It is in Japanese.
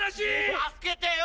助けてよ！